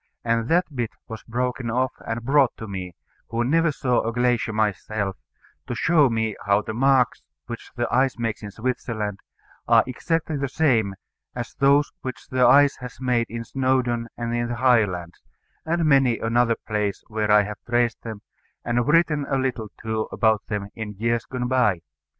And that bit was broken off and brought to me, who never saw a glacier myself, to show me how the marks which the ice makes in Switzerland are exactly the same as those which the ice has made in Snowdon and in the Highlands, and many another place where I have traced them, and written a little, too, about them in years gone by.